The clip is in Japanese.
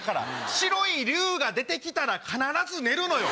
白い竜が出て来たら必ず寝るのよ。